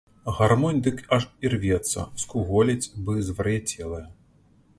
Гармонь дык аж ірвецца, скуголіць, бы звар'яцелая.